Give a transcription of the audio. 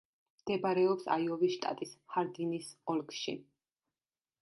მდებარეობს აიოვის შტატის ჰარდინის ოლქში.